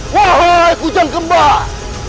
wahai kujang kembar